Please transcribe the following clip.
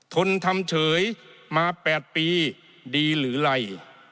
ทนทำเฉยมา๘ปีดีหรือไร